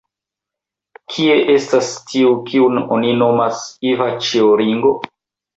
Kie estas tiu, kiun oni nomas Ivaĉjo Ringo?